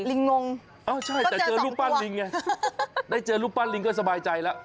ลิงงงก็เจอสองตัวได้เจอลูกปั้นลิงก็สบายใจแล้ว